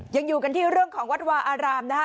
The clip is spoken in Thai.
ยังอยู่กันที่เรื่องของวัดวาอารามนะฮะ